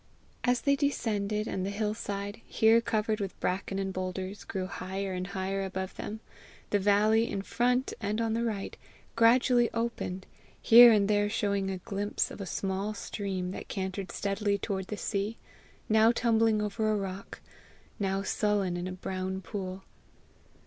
As they descended, and the hill side, here covered with bracken and boulders, grew higher and higher above them, the valley, in front and on the right, gradually opened, here and there showing a glimpse of a small stream that cantered steadily toward the sea, now tumbling over a rock, now sullen in a brown pool.